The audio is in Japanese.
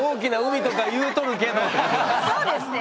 そうですね